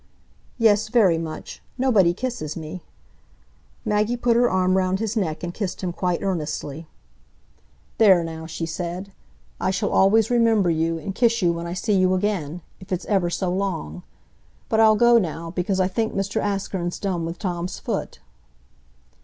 "Yes, very much; nobody kisses me." Maggie put her arm round his neck and kissed him quite earnestly. "There now," she said, "I shall always remember you, and kiss you when I see you again, if it's ever so long. But I'll go now, because I think Mr Askern's done with Tom's foot."